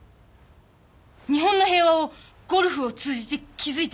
日本の平和をゴルフを通じて築いていく。